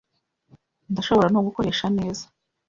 Ndashobora no gukoresha neza.